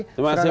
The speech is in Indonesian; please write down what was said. terima kasih bu